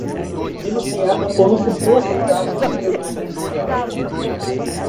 Denunciada por um suposto caso de espionagem industrial